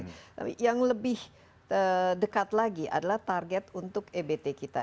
tapi yang lebih dekat lagi adalah target untuk ebt kita